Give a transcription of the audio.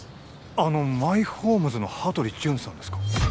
あの「マイホームズ」の羽鳥潤さんですか？